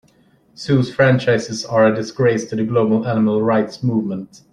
Zoos franchises are a disgrace to the global animal rights movement.